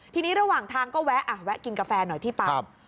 ทีนี้ระหว่างทางก็แวะแวะกินกาแฟหน่อยที่ปั๊ม